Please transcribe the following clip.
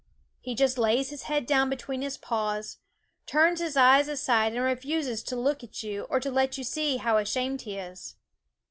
He just lays his head down between his paws, turns his eyes aside, and refuses to look at you or to let you see how ashamed he is.